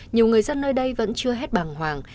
nhiều người dân nơi đây vẫn chưa hết bàng hoàng